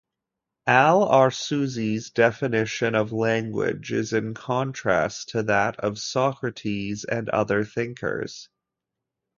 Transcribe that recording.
Al-Arsuzi's definition of language is in contrast to that of Socrates and other thinkers.